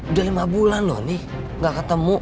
udah lima bulan loh nih gak ketemu